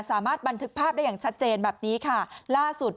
สามารถบันทึกภาพได้อย่างชัดเจนแบบนี้ค่ะล่าสุด